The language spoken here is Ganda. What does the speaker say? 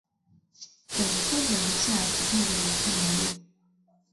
Omukazi omukyafu tabeereka naye.